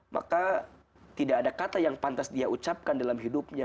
maka tidak ada kata yang pantas dia ucapkan dalam hidupnya